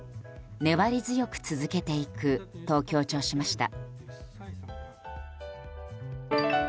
粘り強く続けていくと強調しました。